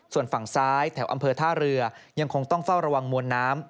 ส่วนฝั่งซ้ายแถวอำเภอท่าเรือยังคงต้องเฝ้าระวังมวลน้ำ